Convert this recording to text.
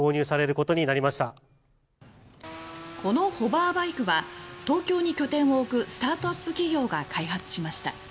このホバーバイクは東京に拠点を置くスタートアップ企業が開発しました。